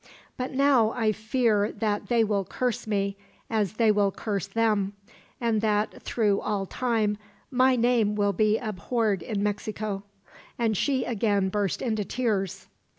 But now I fear that they will curse me, as they will curse them; and that, through all time, my name will be abhorred in Mexico," and she again burst into tears.